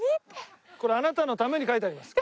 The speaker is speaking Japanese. これあなたのために書いてあります。